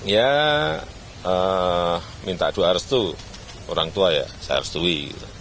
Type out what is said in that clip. ya minta doa harus itu orang tua ya saya harus dui